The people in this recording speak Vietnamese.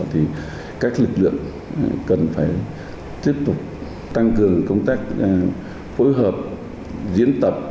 thì các lực lượng cần phải tiếp tục tăng cường công tác phối hợp diễn tập